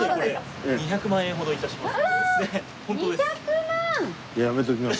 ２００万円ほど致します。